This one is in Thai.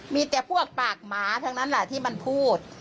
มีแต่พวกปากหมาทั้งนั้นแหละที่มันพูด